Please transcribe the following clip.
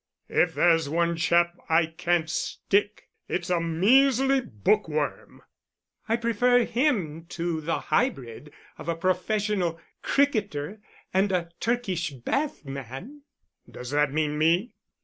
"If there's one chap I can't stick, it's a measly bookworm." "I prefer him to the hybrid of a professional cricketer and a Turkish bath man." "Does that mean me?"